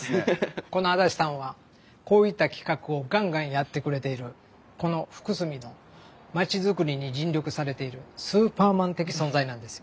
この安達さんはこういった企画をガンガンやってくれているこの福住の町づくりに尽力されているスーパーマン的存在なんですよ。